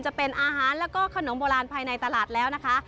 จะเป็นอาหารแล้วก็ขนมโบราณภายในตลาดแล้วนะคะ